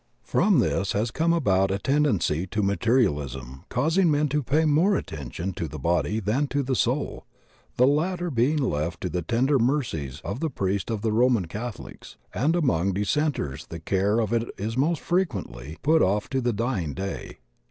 From this has come about a tendency to materialism causing men to pay more attention to the body than to the soul, the latter being left to the tender mercies of the priest of the Roman Catholics, and among dissenters the care of it is most frequently put off to the dying day.